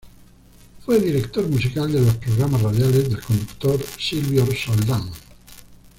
Fue director musical de los programas radiales del conductor Silvio Soldán.